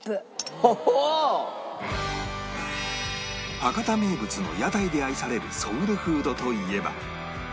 博多名物の屋台で愛されるソウルフードといえば